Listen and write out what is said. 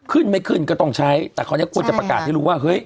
ขึ้นไม่ขึ้นก็ต้องใช้แต่คราวนี้ควรจะประกาศให้รู้ว่าเฮ้ย